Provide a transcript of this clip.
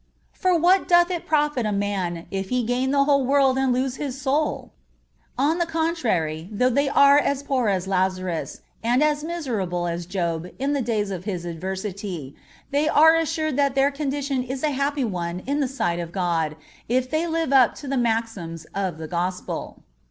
(38) "For, what doth it profit a man, if he gain the whole world and lose his own soul?"(39) On the contrary though they are as poor as Lazarus, and as miserable as Job in the days of his adversity, they are assured that their condition is a happy one in the sight of God, if they live up to the maxims of the Gospel.